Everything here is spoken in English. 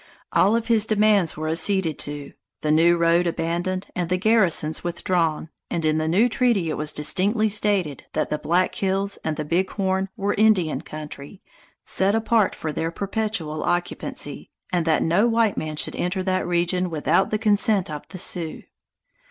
All of his demands were acceded to, the new road abandoned, the garrisons withdrawn, and in the new treaty it was distinctly stated that the Black Hills and the Big Horn were Indian country, set apart for their perpetual occupancy, and that no white man should enter that region without the consent of the Sioux.